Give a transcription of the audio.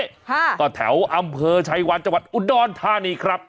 ค่ะก็แถวอำเภอชัยวันจังหวัดอุดรธานีครับ